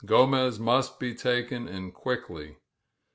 Gromez must taken, and quickly.